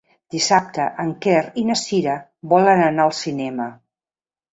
Dissabte en Quer i na Cira volen anar al cinema.